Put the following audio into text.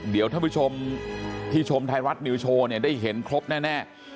เดี๋ยวท่านผู้ชมที่ชมไทยรัฐนิวโชว์เนี่ยได้เห็นครบแน่